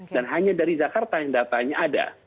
dan hanya dari jakarta yang datanya ada